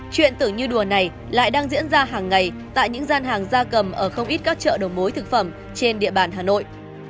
chuyện tưởng như đùa này lại đang diễn ra hàng ngày tại những gian hàng gia cầm ở không ít các chợ đầu mối thực phẩm trên địa bàn hà nội